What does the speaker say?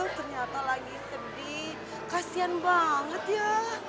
ternyata lagi sedih kasian banget ya